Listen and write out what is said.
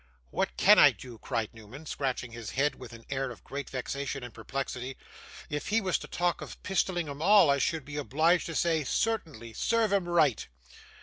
'What CAN I do?' cried Newman, scratching his head with an air of great vexation and perplexity. 'If he was to talk of pistoling 'em all, I should be obliged to say, "Certainly serve 'em right."